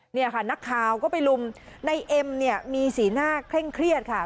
เนี่ยค่ะนักข่าวก็ไปลุมในเอ็มเนี่ยมีสีหน้าเคร่งเครียดค่ะ